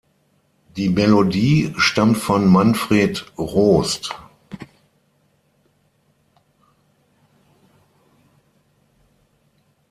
Die Melodie stammt von Manfred Roost.